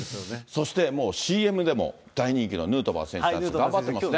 そしてもう、ＣＭでも大人気のヌートバー選手なんですけれども。